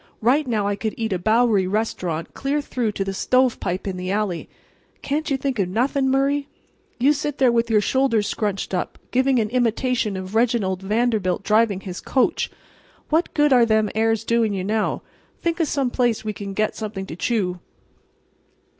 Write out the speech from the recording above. Right now I could eat a Bowery restaurant clear through to the stovepipe in the alley. Can't you think of nothing, Murray? You sit there with your shoulders scrunched up, giving an imitation of Reginald Vanderbilt driving his coach—what good are them airs doing you now? Think of some place we can get something to chew."